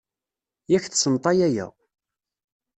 Yak tessneḍ-t a yaya.